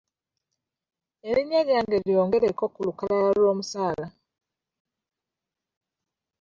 Erinnya lyange lyongereko ku lukalala lw'omusaala.